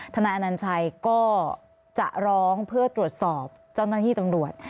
นายอนัญชัยก็จะร้องเพื่อตรวจสอบเจ้าหน้าที่ตำรวจ